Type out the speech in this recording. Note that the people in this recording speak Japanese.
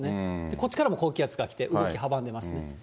こっちからも高気圧が来て、動き阻んでます。